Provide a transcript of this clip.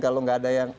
kalau nggak ada yang